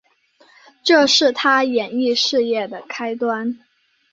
这是她演艺事业的开端。